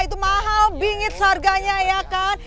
itu mahal bingit seharganya ya kan